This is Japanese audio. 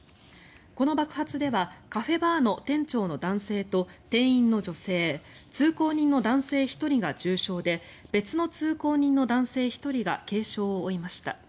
この爆発ではカフェバーの店長の男性と店員の女性通行人の男性１人が重傷で別の通行人の男性１人が軽傷を負いました。